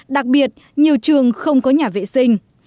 đặc biệt nhiều trường không có nhà vệ sinh